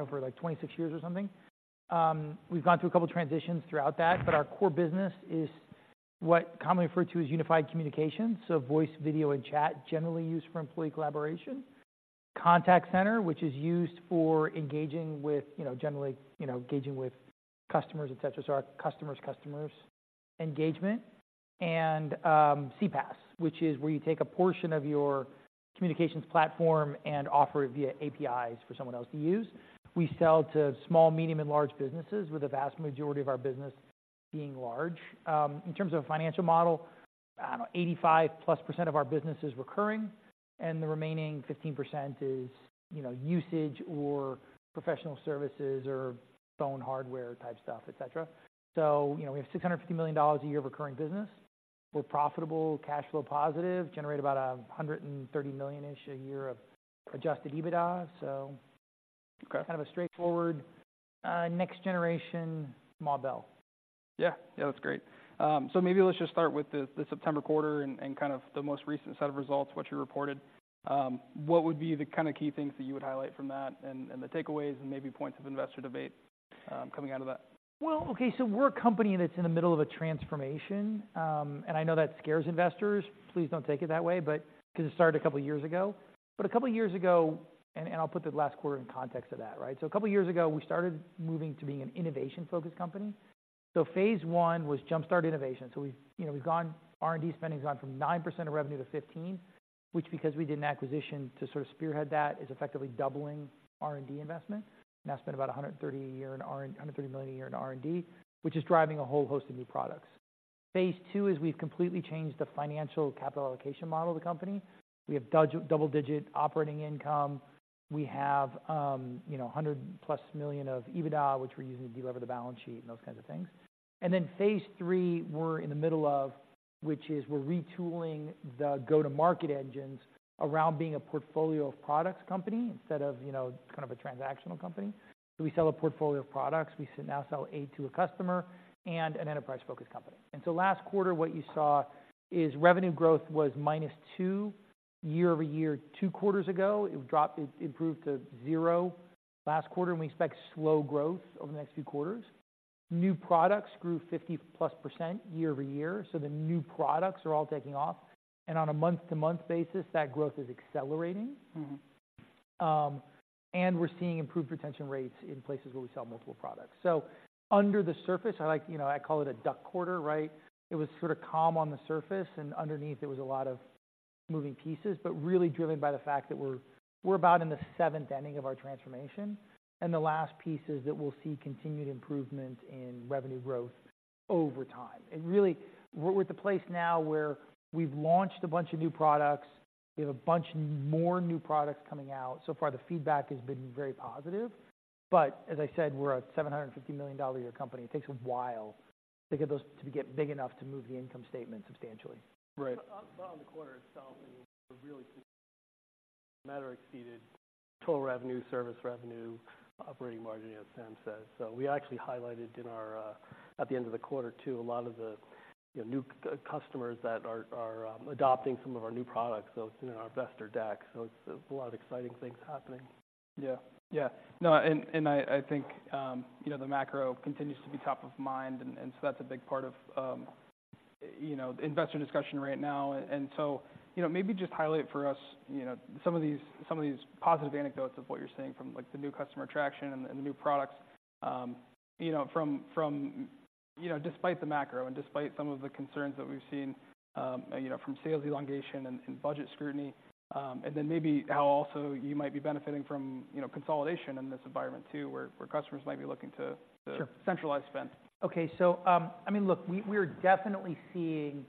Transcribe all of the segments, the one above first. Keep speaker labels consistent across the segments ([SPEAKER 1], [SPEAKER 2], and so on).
[SPEAKER 1] You know, for like 26 years or something. We've gone through a couple transitions throughout that, but our core business is what commonly referred to as unified communications, so voice, video, and chat, generally used for employee collaboration. Contact center, which is used for engaging with, you know, generally, you know, engaging with customers, et cetera, so our customer's customers engagement. And CPaaS, which is where you take a portion of your communications platform and offer it via APIs for someone else to use. We sell to small, medium, and large businesses, with the vast majority of our business being large. In terms of financial model, I don't know, 85%+ of our business is recurring, and the remaining 15% is, you know, usage or professional services or phone hardware type stuff, et cetera. So, you know, we have $650 million a year of recurring business. We're profitable, cash flow positive, generate about $130 million-ish a year of adjusted EBITDA, so-
[SPEAKER 2] Okay.
[SPEAKER 1] Kind of a straightforward, next generation model.
[SPEAKER 2] Yeah. Yeah, that's great. So maybe let's just start with the September quarter and kind of the most recent set of results, what you reported. What would be the kind of key things that you would highlight from that, and the takeaways, and maybe points of investor debate, coming out of that?
[SPEAKER 1] Well, okay, so we're a company that's in the middle of a transformation, and I know that scares investors. Please don't take it that way, but 'cause it started a couple of years ago. But a couple of years ago, and I'll put the last quarter in context of that, right? So a couple of years ago, we started moving to being an innovation-focused company. So phase one was jumpstart innovation. So we've, you know, we've gone. R&D spending has gone from 9% of revenue to 15, which, because we did an acquisition to sort of spearhead that, is effectively doubling R&D investment. Now spend about $130 million a year in R&D, which is driving a whole host of new products. Phase two is we've completely changed the financial capital allocation model of the company. We have double-digit operating income. We have, you know, $100+ million of EBITDA, which we're using to delever the balance sheet and those kinds of things. And then phase three, we're in the middle of, which is we're retooling the go-to-market engines around being a portfolio of products company instead of, you know, kind of a transactional company. So we sell a portfolio of products. We now sell 8x8 to a customer, and an enterprise-focused company. And so last quarter, what you saw is revenue growth was minus 2% year-over-year, two quarters ago. It improved to zero last quarter, and we expect slow growth over the next few quarters. New products grew 50+% year-over-year, so the new products are all taking off, and on a month-to-month basis, that growth is accelerating.
[SPEAKER 2] Mm-hmm.
[SPEAKER 1] And we're seeing improved retention rates in places where we sell multiple products. So under the surface, I like to... You know, I call it a duck quarter, right? It was sort of calm on the surface, and underneath, there was a lot of moving pieces, but really driven by the fact that we're about in the seventh inning of our transformation, and the last piece is that we'll see continued improvement in revenue growth over time. And really, we're at the place now where we've launched a bunch of new products. We have a bunch more new products coming out. So far, the feedback has been very positive, but as I said, we're a $750 million a year company. It takes a while to get those big enough to move the income statement substantially.
[SPEAKER 2] Right.
[SPEAKER 3] On the quarter itself, I mean, we're really matters exceeded total revenue, service revenue, operating margin, as Sam said. So we actually highlighted in our at the end of the quarter, too, a lot of the, you know, new customers that are adopting some of our new products, so it's in our investor deck. So it's a lot of exciting things happening.
[SPEAKER 2] Yeah. Yeah. No, and I think, you know, the macro continues to be top of mind, and so that's a big part of, you know, investor discussion right now. And so, you know, maybe just highlight for us, you know, some of these, some of these positive anecdotes of what you're seeing from, like, the new customer traction and the new products, you know, from... You know, despite the macro and despite some of the concerns that we've seen, you know, from sales elongation and budget scrutiny, and then maybe how also you might be benefiting from, you know, consolidation in this environment, too, where customers might be looking to-
[SPEAKER 1] Sure...
[SPEAKER 2] centralize spend.
[SPEAKER 1] Okay, so, I mean, look, we're definitely seeing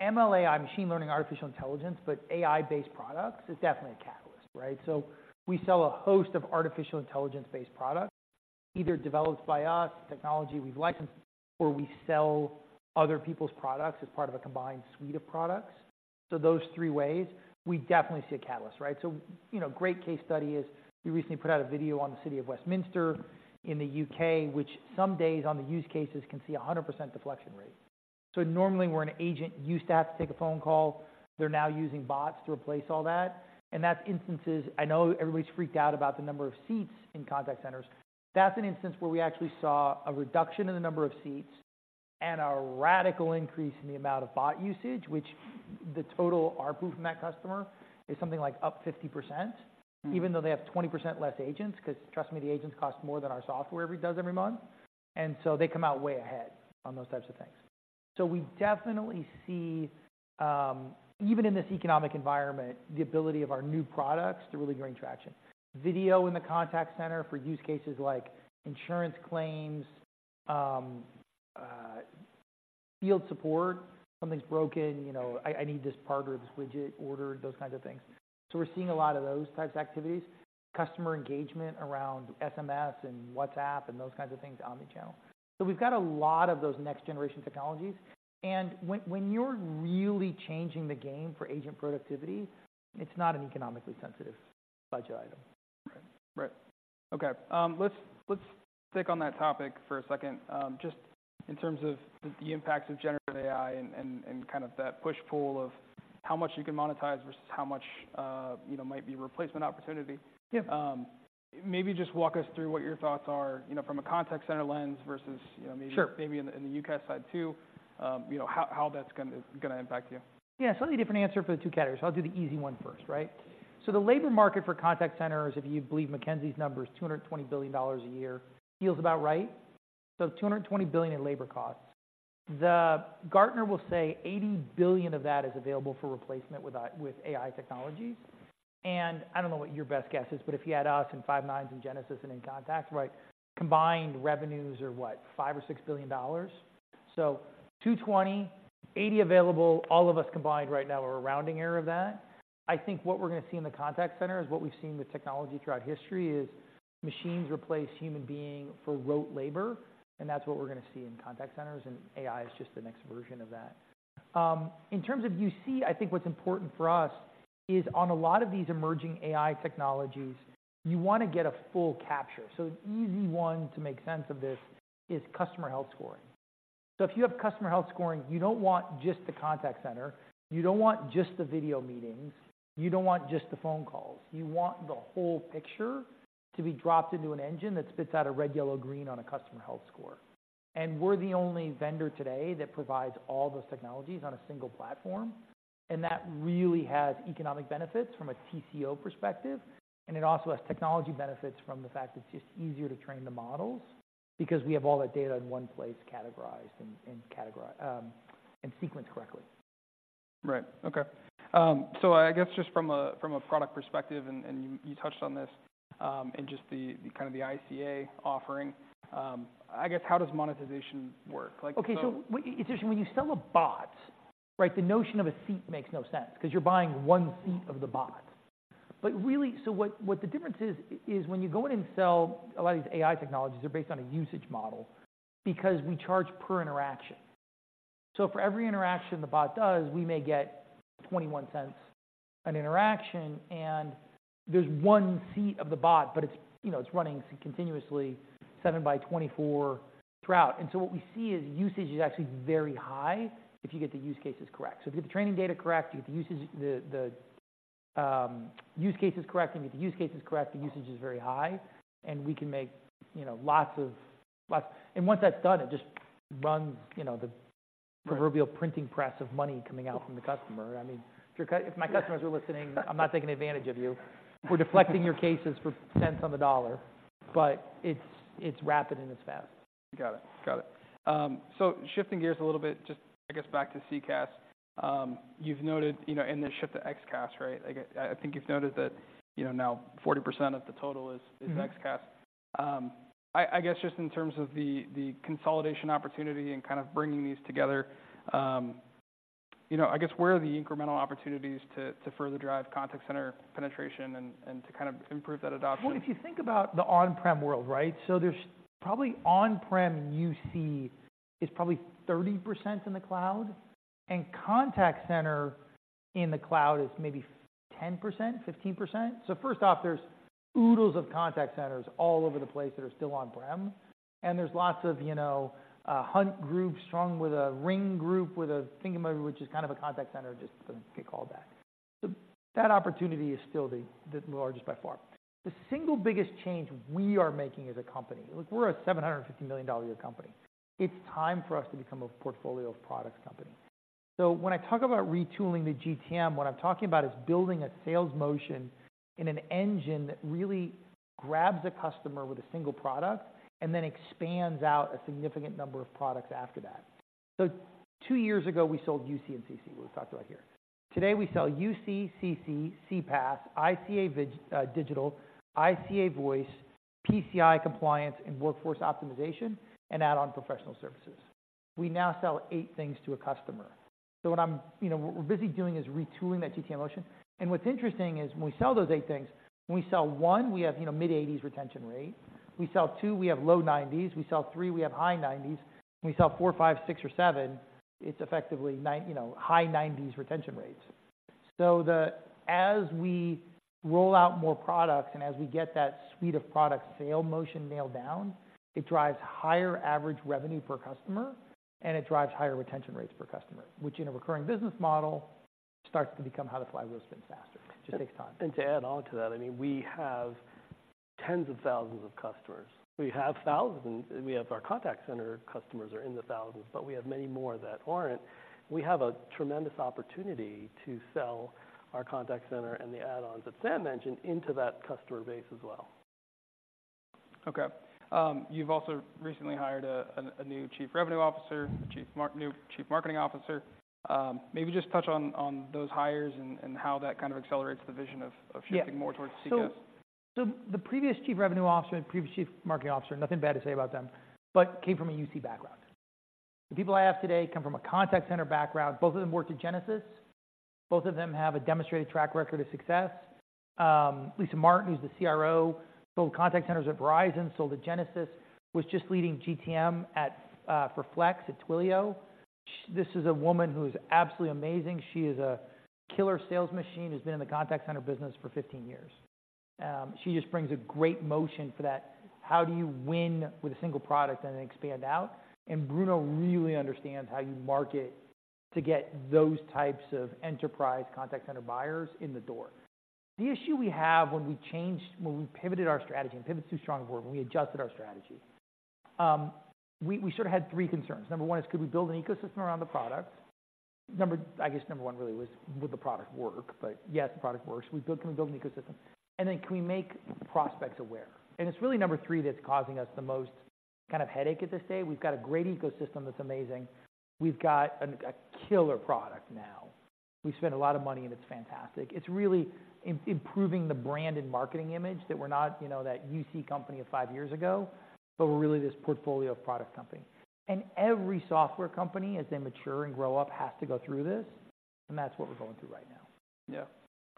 [SPEAKER 1] ML/AI, machine learning, artificial intelligence, but AI-based products is definitely a catalyst, right? So we sell a host of artificial intelligence-based products, either developed by us, technology we've licensed, or we sell other people's products as part of a combined suite of products. So those three ways, we definitely see a catalyst, right? So, you know, great case study is we recently put out a video on the City of Westminster in the U.K., which some days on the use cases can see 100% deflection rate. So normally, where an agent used to have to take a phone call, they're now using bots to replace all that, and that's instances. I know everybody's freaked out about the number of seats in contact centers. That's an instance where we actually saw a reduction in the number of seats and a radical increase in the amount of bot usage, which the total ARPU from that customer is something like up 50%-
[SPEAKER 2] Mm ...
[SPEAKER 1] even though they have 20% less agents, 'cause trust me, the agents cost more than our software does every month, and so they come out way ahead on those types of things. So we definitely see, even in this economic environment, the ability of our new products to really gain traction. Video in the contact center for use cases like insurance claims, field support, something's broken, you know, I need this part or this widget ordered, those kinds of things. So we're seeing a lot of those types of activities, customer engagement around SMS and WhatsApp and those kinds of things, omni-channel. So we've got a lot of those next-generation technologies, and when you're really changing the game for agent productivity, it's not an economically sensitive budget item.
[SPEAKER 2] Right. Right. Okay, let's stick on that topic for a second, just in terms of the impacts of generative AI and kind of that push-pull of how much you can monetize versus how much you know might be a replacement opportunity.
[SPEAKER 1] Yeah. Maybe just walk us through what your thoughts are, you know, from a contact center lens versus, you know, maybe-
[SPEAKER 4] Sure.
[SPEAKER 2] Maybe in the UCaaS side, too, you know, how that's gonna impact you?
[SPEAKER 1] Yeah, slightly different answer for the two categories. I'll do the easy one first, right? So the labor market for contact centers, if you believe McKinsey's numbers, $220 billion a year. Feels about right. So $220 billion in labor costs. Gartner will say $80 billion of that is available for replacement with, with AI technologies. And I don't know what your best guess is, but if you had us and Five9 and Genesys and inContact-
[SPEAKER 2] Right
[SPEAKER 1] Combined revenues are, what? $5 or $6 billion. So $2.28 billion available, all of us combined right now are a rounding error of that. I think what we're gonna see in the contact center is what we've seen with technology throughout history, is machines replace human beings for rote labor, and that's what we're gonna see in contact centers, and AI is just the next version of that. In terms of UC, I think what's important for us is on a lot of these emerging AI technologies, you wanna get a full capture. So the easy one to make sense of this is customer health scoring. So if you have customer health scoring, you don't want just the contact center, you don't want just the video meetings, you don't want just the phone calls. You want the whole picture to be dropped into an engine that spits out a red, yellow, green on a customer health score. And we're the only vendor today that provides all those technologies on a single platform, and that really has economic benefits from a TCO perspective, and it also has technology benefits from the fact it's just easier to train the models because we have all that data in one place, categorized and sequenced correctly.
[SPEAKER 2] Right. Okay. So I guess just from a product perspective, and you touched on this, in just the kind of ICA offering, I guess, how does monetization work? Like, so-
[SPEAKER 1] Okay. So when you sell a bot, right, the notion of a seat makes no sense, 'cause you're buying one seat of the bot. But really... So what, what the difference is, is when you go in and sell a lot of these AI technologies, they're based on a usage model, because we charge per interaction. So for every interaction the bot does, we may get $0.21 an interaction, and there's one seat of the bot, but it's, you know, it's running continuously seven by 24 throughout. And so what we see is usage is actually very high if you get the use cases correct. So if you get the training data correct, you get the usage, the use cases correct, and if you get the use cases correct, the usage is very high, and we can make, you know, lots of. And once that's done, it just runs, you know, the-
[SPEAKER 2] Right
[SPEAKER 1] proverbial printing press of money coming out from the customer. I mean, if your cu-
[SPEAKER 2] Yeah,...
[SPEAKER 1] if my customers are listening, I'm not taking advantage of you. We're deflecting your cases for cents on the dollar, but it's, it's rapid and it's fast.
[SPEAKER 2] Got it. Got it. So shifting gears a little bit, just, I guess, back to CCaaS. You've noted, you know, and the shift to XaaS, right? Like, I think you've noted that, you know, now 40% of the total is-
[SPEAKER 1] Mm-hmm...
[SPEAKER 2] is XaaS. I guess just in terms of the consolidation opportunity and kind of bringing these together, you know, I guess, where are the incremental opportunities to further drive contact center penetration and to kind of improve that adoption?
[SPEAKER 1] Well, if you think about the on-prem world, right? So there's probably on-prem UC is probably 30% in the cloud, and contact center in the cloud is maybe 10%, 15%. So first off, there's oodles of contact centers all over the place that are still on-prem, and there's lots of, you know, hunt groups strung with a ring group, with a thingamabob, which is kind of a contact center, just doesn't get called that. So that opportunity is still the, the largest by far. The single biggest change we are making as a company, look, we're a $750 million a year company, it's time for us to become a portfolio of products company. So when I talk about retooling the GTM, what I'm talking about is building a sales motion in an engine that really grabs a customer with a single product and then expands out a significant number of products after that. So two years ago, we sold UC and CC, what we talked about here. Today, we sell UC, CC, CPaaS, ICA digital, ICA voice, PCI compliance, and workforce optimization, and add-on professional services. We now sell eight things to a customer. So what I'm, you know, what we're busy doing is retooling that GTM motion. And what's interesting is, when we sell those eight things, when we sell one, we have, you know, mid-80s retention rate. We sell two, we have low 90s. We sell three, we have high 90s. When we sell four, five, six or seven, it's effectively nine, you know, high 90s retention rates. As we roll out more products and as we get that suite of product sale motion nailed down, it drives higher average revenue per customer, and it drives higher retention rates per customer, which in a recurring business model, starts to become how the flywheel spins faster. It just takes time.
[SPEAKER 3] To add on to that, I mean, we have tens of thousands of customers. We have thousands... We have our contact center customers are in the thousands, but we have many more that aren't. We have a tremendous opportunity to sell our contact center and the add-ons that Sam mentioned into that customer base as well.
[SPEAKER 2] Okay. You've also recently hired a new Chief Revenue Officer, a new Chief Marketing Officer. Maybe just touch on those hires and how that kind of accelerates the vision of-
[SPEAKER 1] Yeah
[SPEAKER 2] of shifting more towards CCaaS.
[SPEAKER 1] So the previous Chief Revenue Officer and previous Chief Marketing Officer, nothing bad to say about them, but came from a UC background. The people I have today come from a contact center background. Both of them worked at Genesys. Both of them have a demonstrated track record of success. Lisa Martin, who's the CRO, built contact centers at Verizon, sold to Genesys, was just leading GTM at, for Flex at Twilio. This is a woman who's absolutely amazing. She is a killer sales machine, who's been in the contact center business for 15 years. She just brings a great motion for that, how do you win with a single product and then expand out? And Bruno really understands how you market to get those types of enterprise contact center buyers in the door. The issue we have when we pivoted our strategy, and pivot's too strong a word, when we adjusted our strategy, we sort of had three concerns. Number one is, could we build an ecosystem around the product? Number one really was, would the product work? But yes, the product works. Can we build an ecosystem, and then can we make prospects aware? And it's really number three that's causing us the most kind of headache at this stage. We've got a great ecosystem that's amazing. We've got a killer product now. We've spent a lot of money, and it's fantastic. It's really improving the brand and marketing image that we're not, you know, that UC company of five years ago, but we're really this portfolio of product company. Every software company, as they mature and grow up, has to go through this, and that's what we're going through right now.
[SPEAKER 2] Yeah.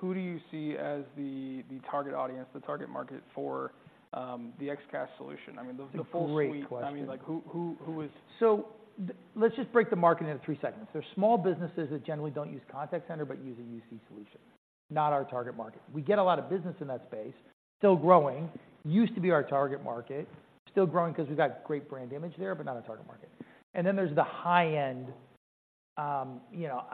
[SPEAKER 2] Who do you see as the target audience, the target market for the XCaaS solution? I mean, the full suite-
[SPEAKER 1] Great question.
[SPEAKER 2] I mean, like, who is-
[SPEAKER 1] So let's just break the market into three segments. There's small businesses that generally don't use contact center, but use a UC solution, not our target market. We get a lot of business in that space, still growing, used to be our target market, still growing 'cause we've got great brand image there, but not our target market. And then there's the high end, you know,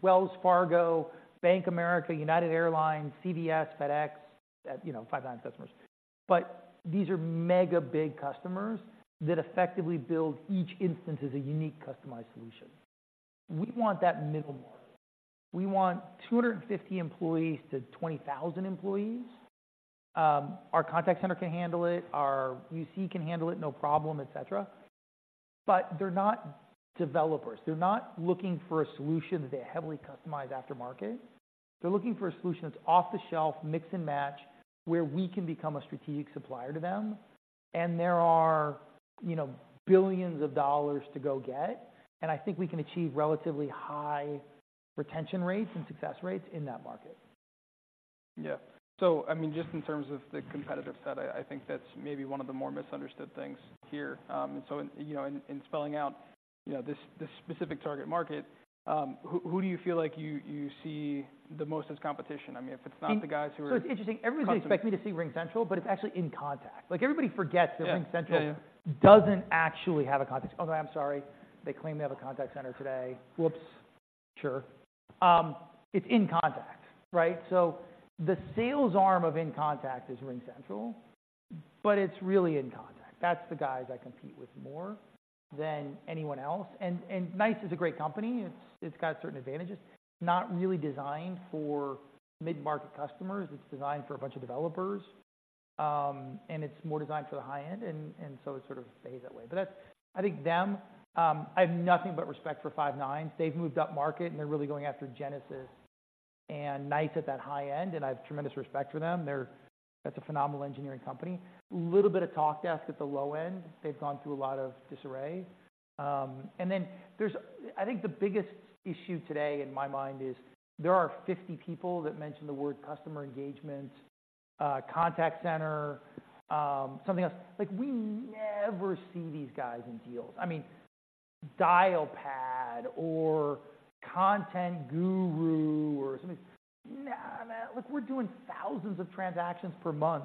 [SPEAKER 1] Wells Fargo, Bank of America, United Airlines, CVS, FedEx, you know, Five9 customers. But these are mega big customers that effectively build each instance as a unique, customized solution. We want that middle market. We want 250-20,000 employees. Our contact center can handle it, our UC can handle it, no problem, et cetera. But they're not developers. They're not looking for a solution that they heavily customize aftermarket. They're looking for a solution that's off-the-shelf, mix and match, where we can become a strategic supplier to them, and there are, you know, billions of dollars to go get, and I think we can achieve relatively high retention rates and success rates in that market.
[SPEAKER 2] Yeah. So I mean, just in terms of the competitive set, I think that's maybe one of the more misunderstood things here. So, you know, in spelling out this specific target market, who do you feel like you see the most as competition? I mean, if it's not the guys who are-
[SPEAKER 1] It's interesting. Everybody expects me to see RingCentral, but it's actually inContact. Like, everybody forgets-
[SPEAKER 2] Yeah.
[SPEAKER 1] - that RingCentral- Yeah, yeah. Doesn't actually have a contact... Oh, no, I'm sorry. They claim they have a contact center today. Whoops! Sure. It's inContact, right? So the sales arm of inContact is RingCentral, but it's really inContact. That's the guys I compete with more than anyone else, and, and NICE is a great company. It's, it's got certain advantages, not really designed for mid-market customers. It's designed for a bunch of developers, and it's more designed for the high end, and, and so it sort of stays that way. But that's... I think them, I have nothing but respect for Five9. They've moved upmarket, and they're really going after Genesys and NICE at that high end, and I have tremendous respect for them. They're-- That's a phenomenal engineering company. Little bit of Talkdesk at the low end. They've gone through a lot of disarray. And then there's—I think the biggest issue today, in my mind, is there are 50 people that mention the word customer engagement, contact center, something else. Like, we never see these guys in deals. I mean, Dialpad or Content Guru or something. Nah, man, look, we're doing thousands of transactions per month,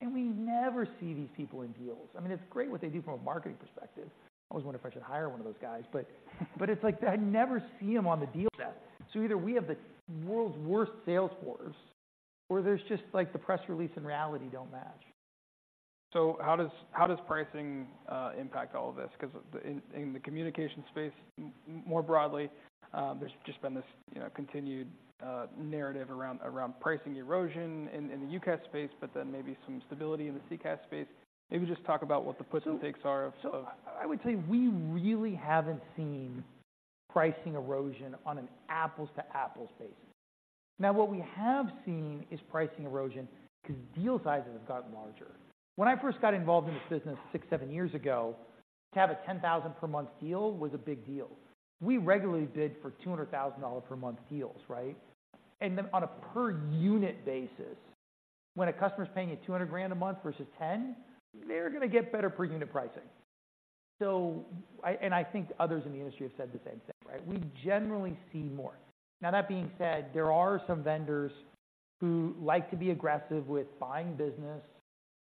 [SPEAKER 1] and we never see these people in deals. I mean, it's great what they do from a marketing perspective. I always wonder if I should hire one of those guys, but it's like I never see them on the deal desk. So either we have the world's worst sales force, or there's just, like, the press release and reality don't match. So how does pricing impact all of this? 'Cause in the communication space, more broadly, there's just been this, you know, continued narrative around pricing erosion in the UCaaS space, but then maybe some stability in the CCaaS space. Maybe just talk about what the puts and takes are of- So I would say we really haven't seen pricing erosion on an apples-to-apples basis. Now, what we have seen is pricing erosion 'cause deal sizes have gotten larger. When I first got involved in this business six-seven years ago, to have a $10,000 per month deal was a big deal. We regularly bid for $200,000 per month deals, right? And then on a per unit basis, when a customer's paying you $200,000 a month versus 10, they're gonna get better per unit pricing. So I... And I think others in the industry have said the same thing, right? We generally see more. Now, that being said, there are some vendors who like to be aggressive with buying business,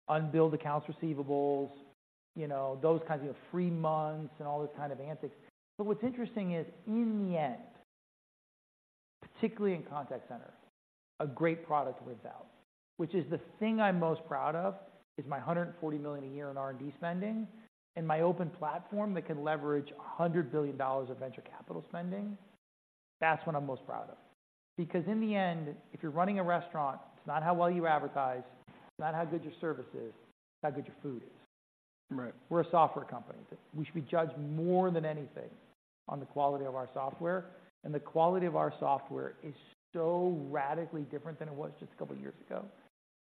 [SPEAKER 1] unbilled accounts receivables, you know, those kinds of free months and all those kind of antics. But what's interesting is, in the end, particularly in contact center, a great product wins out, which is the thing I'm most proud of, is my $140 million a year in R&D spending and my open platform that can leverage $100 billion of venture capital spending. That's what I'm most proud of, because in the end, if you're running a restaurant, it's not how well you advertise, it's not how good your service is, it's how good your food is.
[SPEAKER 2] Right.
[SPEAKER 1] We're a software company. We should be judged more than anything on the quality of our software, and the quality of our software is so radically different than it was just a couple of years ago.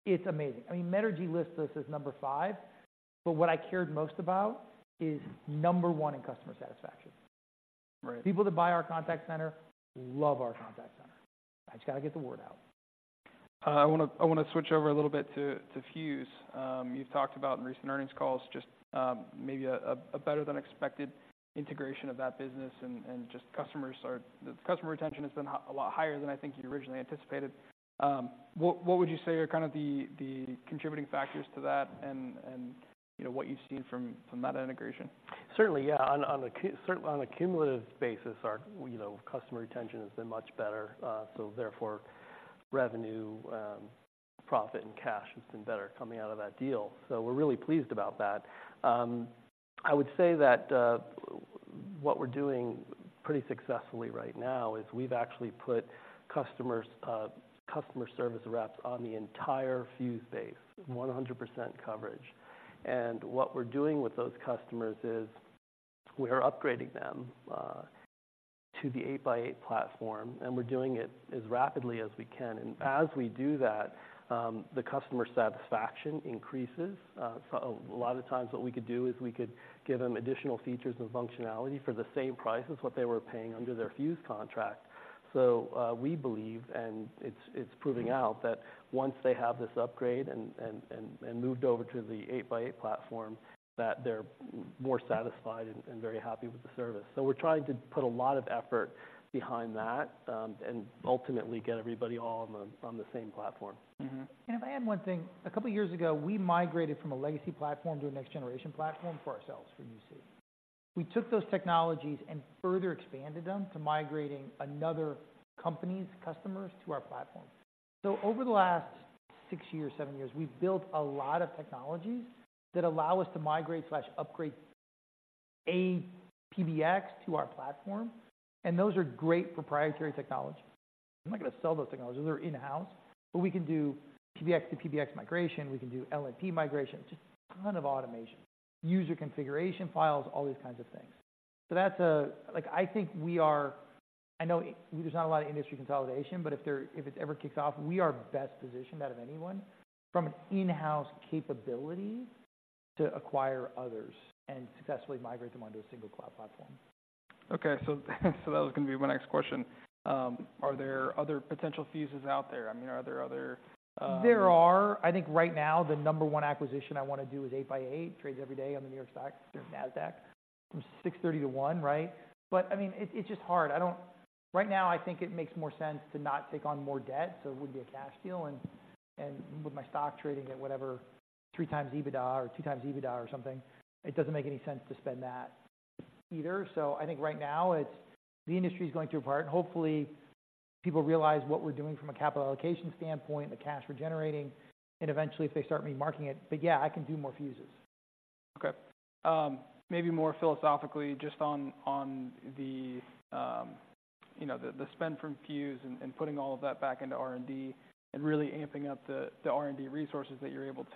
[SPEAKER 1] It's amazing. I mean, Metrigy lists us as number five, but what I cared most about is number one in customer satisfaction.
[SPEAKER 2] Right.
[SPEAKER 1] People that buy our contact center love our contact center. I just got to get the word out....
[SPEAKER 2] I wanna, I wanna switch over a little bit to Fuze. You've talked about in recent earnings calls just maybe a better than expected integration of that business and the customer retention has been a lot higher than I think you originally anticipated. What would you say are kind of the contributing factors to that and you know what you've seen from that integration?
[SPEAKER 1] Certainly, yeah. On a cumulative basis, our, you know, customer retention has been much better, so therefore, revenue, profit, and cash has been better coming out of that deal. So we're really pleased about that. I would say that what we're doing pretty successfully right now is we've actually put customer service reps on the entire Fuze base, 100% coverage. And what we're doing with those customers is, we're upgrading them to the 8x8 platform, and we're doing it as rapidly as we can. And as we do that, the customer satisfaction increases. So a lot of times what we could do is we could give them additional features and functionality for the same price as what they were paying under their Fuze contract. So, we believe, and it's proving out, that once they have this upgrade and moved over to the 8x8 platform, that they're more satisfied and very happy with the service. So we're trying to put a lot of effort behind that, and ultimately get everybody all on the same platform.
[SPEAKER 2] Mm-hmm.
[SPEAKER 1] If I add one thing, a couple of years ago, we migrated from a legacy platform to a next-generation platform for ourselves, for UC. We took those technologies and further expanded them to migrating another company's customers to our platform. So over the last six years, seven years, we've built a lot of technologies that allow us to migrate or upgrade a PBX to our platform, and those are great proprietary technologies. I'm not gonna sell those technologies, they're in-house. But we can do PBX to PBX migration, we can do LNP migration, just a ton of automation, user configuration files, all these kinds of things. So that's a... Like, I think I know there's not a lot of industry consolidation, but if it ever kicks off, we are best positioned out of anyone from an in-house capability to acquire others and successfully migrate them onto a single cloud platform.
[SPEAKER 2] Okay, so that was gonna be my next question. Are there other potential Fuzes out there? I mean, are there other,
[SPEAKER 1] There are. I think right now, the number one acquisition I wanna do is 8x8, trades every day on the New York Stock, or NASDAQ, from 6:30 to 1:00, right? But, I mean, it, it's just hard. I don't. Right now, I think it makes more sense to not take on more debt, so it would be a cash deal, and, and with my stock trading at whatever, 3x EBITDA or 2x EBITDA or something, it doesn't make any sense to spend that either. So I think right now, it's... The industry is going through a part. Hopefully, people realize what we're doing from a capital allocation standpoint, the cash we're generating, and eventually, if they start remarketing it. But yeah, I can do more Fuzes.
[SPEAKER 2] Okay. Maybe more philosophically, just on the, you know, the spend from Fuze and putting all of that back into R&D and really amping up the R&D resources that you're able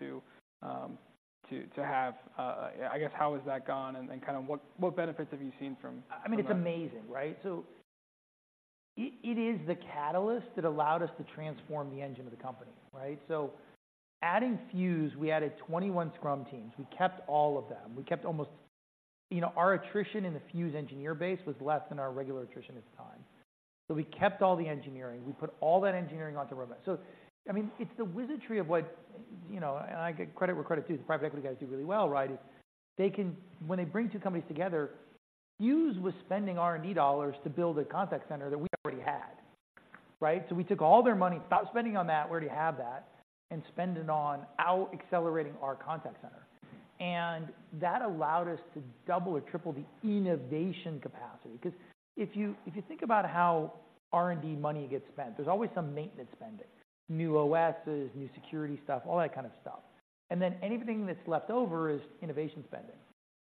[SPEAKER 2] to have. I guess, how has that gone, and then kind of what benefits have you seen from-
[SPEAKER 1] I mean, it's amazing, right? So it is the catalyst that allowed us to transform the engine of the company, right? So adding Fuze, we added 21 Scrum teams. We kept all of them. We kept almost... You know, our attrition in the Fuze engineer base was less than our regular attrition at the time. So we kept all the engineering, we put all that engineering onto roadmap. So I mean, it's the wizardry of what, you know, and I give credit where credit is due, the private equity guys do really well, right? Is they can-- When they bring two companies together, Fuze was spending R&D dollars to build a contact center that we already had, right? So we took all their money, stop spending on that, we already have that, and spend it on out-accelerating our contact center. And that allowed us to double or triple the innovation capacity. Because if you, if you think about how R&D money gets spent, there's always some maintenance spending, new OSs, new security stuff, all that kind of stuff. And then anything that's left over is innovation spending.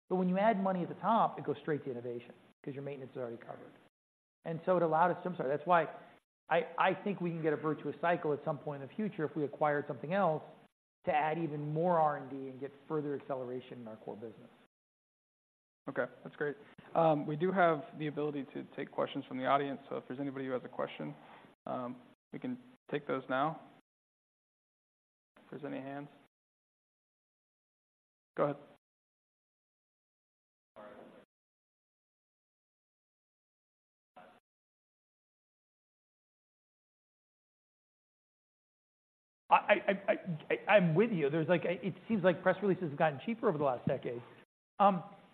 [SPEAKER 1] But when you add money at the top, it goes straight to innovation because your maintenance is already covered. And so it allowed us... I'm sorry. That's why I, I think we can get a virtuous cycle at some point in the future if we acquire something else, to add even more R&D and get further acceleration in our core business.
[SPEAKER 2] Okay, that's great. We do have the ability to take questions from the audience, so if there's anybody who has a question, we can take those now. If there's any hands. Go ahead.
[SPEAKER 1] I'm with you. It seems like press releases have gotten cheaper over the last decade.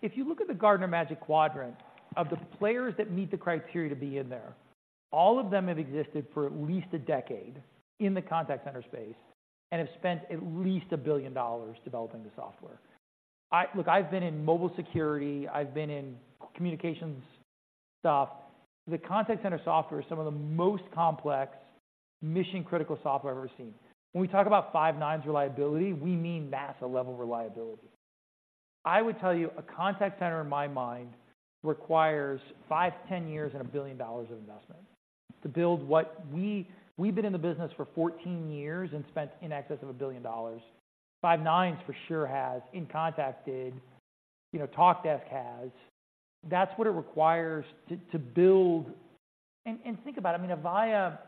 [SPEAKER 1] If you look at the Gartner Magic Quadrant, of the players that meet the criteria to be in there, all of them have existed for at least a decade in the contact center space and have spent at least $1 billion developing the software. Look, I've been in mobile security, I've been in communications stuff. The contact center software is some of the most complex mission-critical software I've ever seen. When we talk about five nines reliability, we mean NASA-level reliability. I would tell you, a contact center, in my mind, requires 5-10 years and $1 billion of investment to build what we've been in the business for 14 years and spent in excess of $1 billion. Five9 for sure has, inContact did, you know, Talkdesk has. That's what it requires to, to build... And, and think about it, I mean, Avaya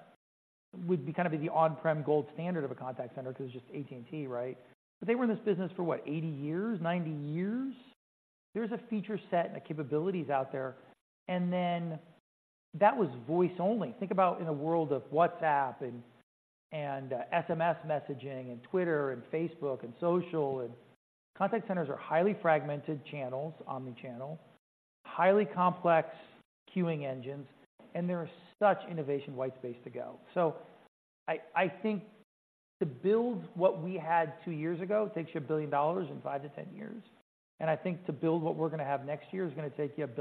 [SPEAKER 1] would be kind of the on-prem gold standard of a contact center because it's just AT&T, right? But they were in this business for what, 80 years, 90 years?... There's a feature set and the capabilities out there, and then that was voice-only. Think about in a world of WhatsApp, and, and, SMS messaging, and Twitter, and Facebook, and social, and contact centers are highly fragmented channels, omni-channel, highly complex queuing engines, and there is such innovation white space to go. I think to build what we had two years ago takes you $1 billion and 5-10 years, and I think to build what we're gonna have next year is gonna take you $1.5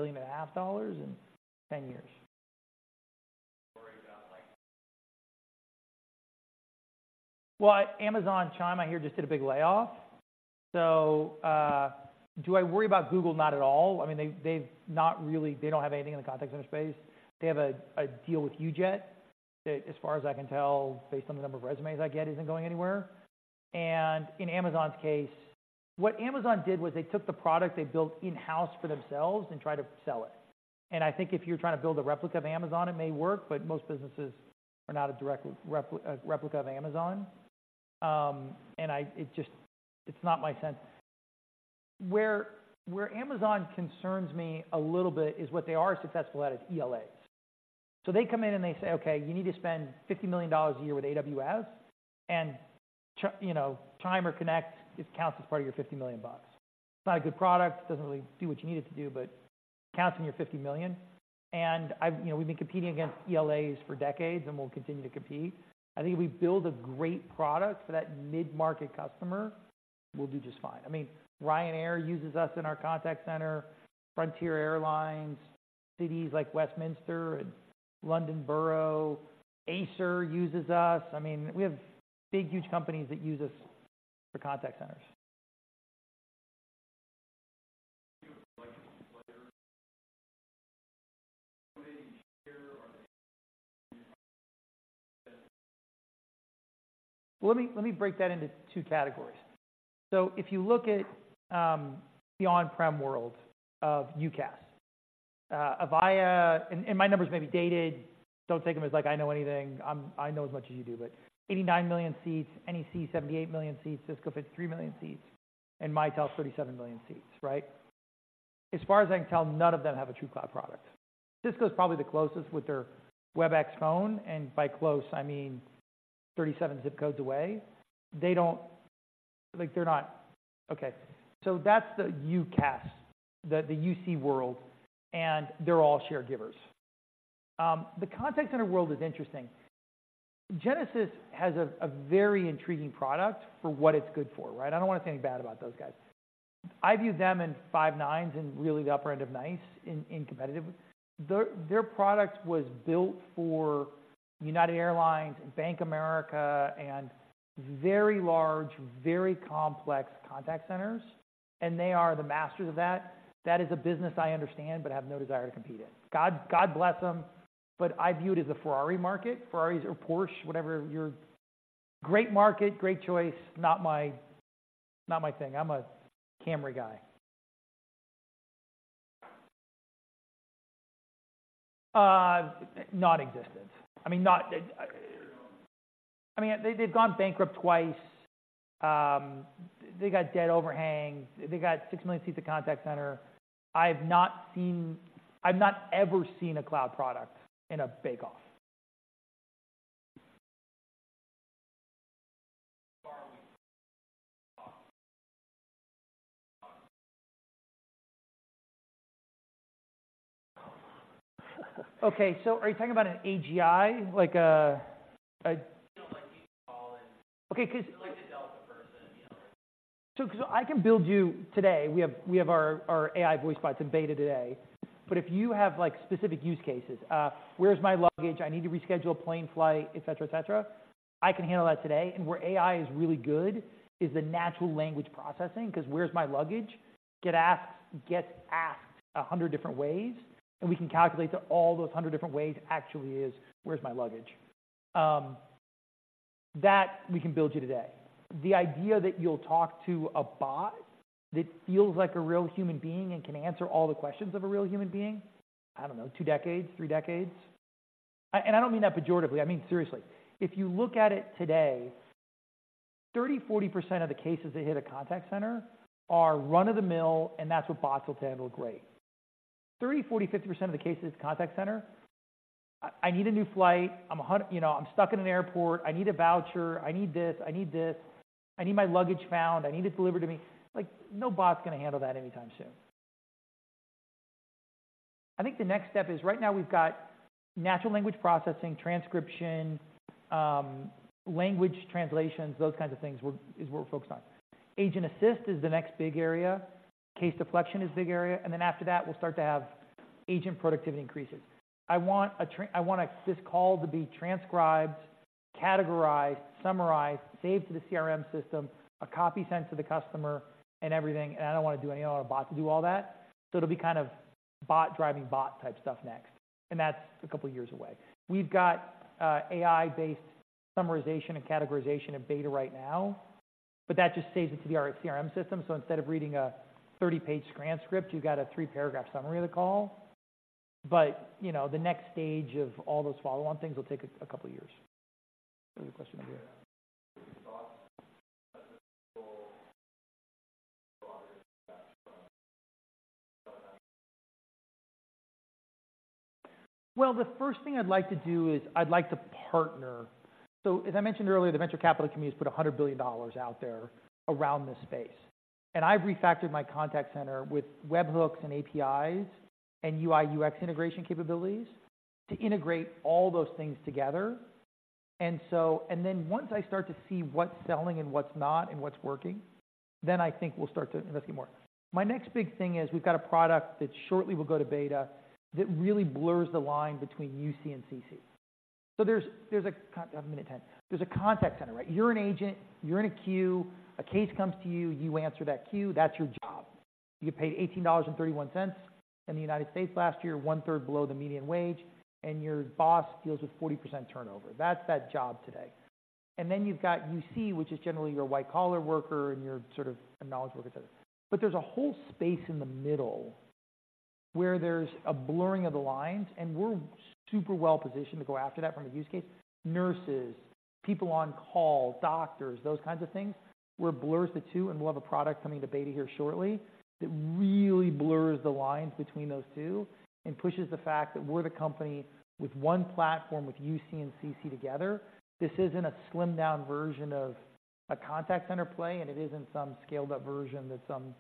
[SPEAKER 1] billion and 10 years.
[SPEAKER 2] Worried about like-
[SPEAKER 1] Well, Amazon Chime, I hear, just did a big layoff. So, do I worry about Google? Not at all. I mean, they've not really—they don't have anything in the contact center space. They have a deal with UJET, that as far as I can tell, based on the number of resumes I get, isn't going anywhere. And in Amazon's case, what Amazon did was they took the product they built in-house for themselves and tried to sell it, and I think if you're trying to build a replica of Amazon, it may work, but most businesses are not a direct replica of Amazon. And I... It just, it's not my sense. Where Amazon concerns me a little bit is what they are successful at, is ELAs. So they come in, and they say, "Okay, you need to spend $50 million a year with AWS, and you know, Chime or Connect, it counts as part of your $50 million bucks. It's not a good product, doesn't really do what you need it to do, but counts in your $50 million." And I've, you know, we've been competing against ELAs for decades, and we'll continue to compete. I think if we build a great product for that mid-market customer, we'll do just fine. I mean, Ryanair uses us in our contact center, Frontier Airlines, cities like Westminster and London Borough. Acer uses us. I mean, we have big, huge companies that use us for contact centers.
[SPEAKER 2] Do you have players? Do they share or-
[SPEAKER 1] Let me, let me break that into two categories. So if you look at, the on-prem world of UCaaS, Avaya, and, and my numbers may be dated, don't take them as, like, I know anything. I know as much as you do, but 89 million seats, NEC, 78 million seats, Cisco fifty-three million seats, and Mitel, 37 million seats, right? As far as I can tell, none of them have a true cloud product. Cisco's probably the closest with their Webex Phone, and by close, I mean 37 zip codes away. They don't... Like, they're not... Okay, so that's the UCaaS, the, the UC world, and they're all share givers. The contact center world is interesting. Genesys has a, a very intriguing product for what it's good for, right? I don't want to say anything bad about those guys. I view them in five nines and really the upper end of NICE inContact competitive. Their, their product was built for United Airlines and Bank of America and very large, very complex contact centers, and they are the masters of that. That is a business I understand, but I have no desire to compete in. God, God bless them, but I view it as a Ferrari market. Ferraris or Porsche, whatever your... Great market, great choice, not my, not my thing. I'm a Camry guy. Non-existent. I mean, not,
[SPEAKER 2] You know?
[SPEAKER 1] I mean, they've gone bankrupt twice. They got debt overhangs. They got 6 million seats of contact center. I've not ever seen a cloud product in a bake off.
[SPEAKER 2] Are we-
[SPEAKER 1] Okay, so are you talking about an AGI? Like,
[SPEAKER 2] You know, like people call and-
[SPEAKER 1] Okay, 'cause-
[SPEAKER 2] Like a Delta person, you know?
[SPEAKER 1] 'Cause I can build you... Today, we have our AI voice bots in beta today, but if you have, like, specific use cases, where's my luggage? I need to reschedule a plane flight, et cetera, et cetera, I can handle that today. And where AI is really good is the natural language processing, 'cause where's my luggage gets asked 100 different ways, and we can calculate that all those 100 different ways actually is, "Where's my luggage?" That we can build you today. The idea that you'll talk to a bot that feels like a real human being and can answer all the questions of a real human being, I don't know, two decades, three decades. And I don't mean that pejoratively, I mean, seriously. If you look at it today, 30%-40% of the cases that hit a contact center are run-of-the-mill, and that's what bots will handle great. 30%-50% of the cases in a contact center, I need a new flight, you know, I'm stuck in an airport, I need a voucher, I need this, I need this, I need my luggage found, I need it delivered to me. Like, no bot's gonna handle that anytime soon. I think the next step is, right now we've got natural language processing, transcription, language translations, those kinds of things, we're is what we're focused on. Agent assist is the next big area, case deflection is a big area, and then after that, we'll start to have agent productivity increases. I want this call to be transcribed, categorized, summarized, saved to the CRM system, a copy sent to the customer and everything, and I don't want to do any... I want a bot to do all that. So it'll be kind of bot-driving bot type stuff next, and that's a couple of years away. We've got AI-based summarization and categorization in beta right now, but that just saves it to the CRM system. So instead of reading a 30-page transcript, you've got a three-paragraph summary of the call. But, you know, the next stage of all those follow-on things will take a couple of years....
[SPEAKER 2] Another question over here.
[SPEAKER 1] Well, the first thing I'd like to do is I'd like to partner. So as I mentioned earlier, the venture capital community has put $100 billion out there around this space, and I've refactored my contact center with web hooks and APIs and UI, UX integration capabilities to integrate all those things together. And so—and then once I start to see what's selling and what's not, and what's working, then I think we'll start to invest more. My next big thing is, we've got a product that shortly will go to beta that really blurs the line between UC and CC. So there's, there's. I have one minute 10. There's a contact center, right? You're an agent, you're in a queue, a case comes to you, you answer that queue, that's your job. You get paid $18.31 in the United States last year, one-third below the median wage, and your boss deals with 40% turnover. That's that job today. And then you've got UC, which is generally your white-collar worker and your sort of knowledge worker. But there's a whole space in the middle where there's a blurring of the lines, and we're super well positioned to go after that from a use case. Nurses, people on call, doctors, those kinds of things, where it blurs the two, and we'll have a product coming to beta here shortly that really blurs the lines between those two and pushes the fact that we're the company with one platform with UC and CC together. This isn't a slimmed-down version of a contact center play, and it isn't some scaled-up version that some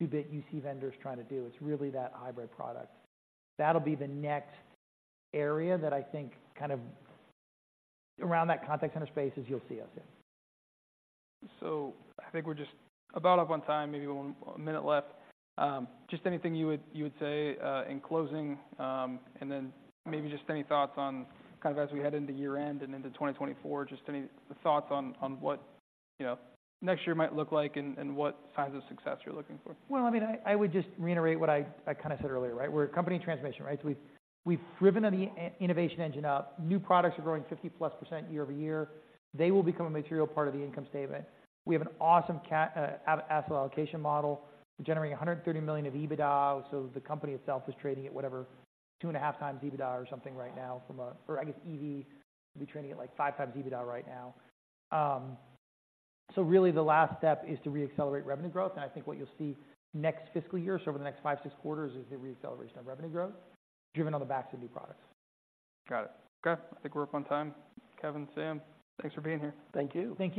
[SPEAKER 1] two-bit UC vendor is trying to do. It's really that hybrid product. That'll be the next area that I think kind of around that contact center space, as you'll see us in.
[SPEAKER 2] So I think we're just about up on time, maybe one minute left. Just anything you would, you would say in closing, and then maybe just any thoughts on kind of as we head into year-end and into 2024, just any thoughts on what, you know, next year might look like and what signs of success you're looking for?
[SPEAKER 1] Well, I mean, I would just reiterate what I kind of said earlier, right? We're a company in transition, right? So we've driven the innovation engine up. New products are growing 50%+ year-over-year. They will become a material part of the income statement. We have an awesome asset allocation model. We're generating $130 million of EBITDA, so the company itself is trading at whatever, 2.5x EBITDA or something right now from a... Or I guess EV will be trading at, like, 5x EBITDA right now. So really, the last step is to reaccelerate revenue growth, and I think what you'll see next fiscal year, so over the next five-six quarters, is the reacceleration of revenue growth, driven on the backs of new products.
[SPEAKER 2] Got it. Okay, I think we're up on time. Kevin, Sam, thanks for being here.
[SPEAKER 3] Thank you.
[SPEAKER 1] Thank you.